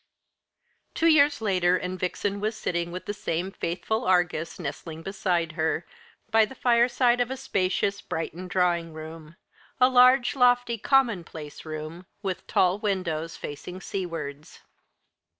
Two years later, and Vixen was sitting with the same faithful Argus nestling beside her, by the fireside of a spacious Brighton drawing room, a large, lofty, commonplace room, with tall windows facing seawards.